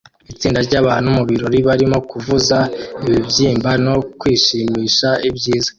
Itsinda ryabantu mubirori barimo kuvuza ibibyimba no kwishimira ibyiza